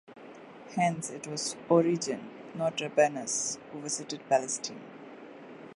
Hence, it was Origen, not Rabanus, who visited Palestine.